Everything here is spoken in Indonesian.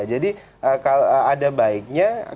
jadi kalau ada baiknya